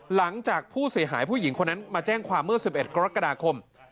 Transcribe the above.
หลังจากผู้เสียหายผู้หญิงคนนั้นมาแจ้งความเมื่อ๑๑กรกฎาคม